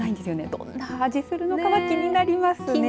どんな味がするか気になりますね。